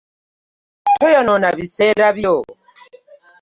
Toyonona biseera byo.